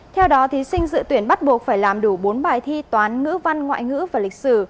theo đó thí sinh dự tuyển bắt buộc phải làm đủ bốn bài thi toán ngữ văn ngoại ngữ và lịch sử